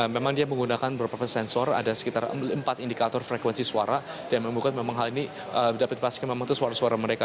memang dia menggunakan beberapa sensor ada sekitar empat indikator frekuensi suara dan menemukan memang hal ini dapat dipastikan memang itu suara suara mereka